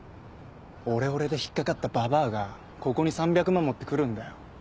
オレオレで引っかかったババアがここに３００万持ってくるんだよ。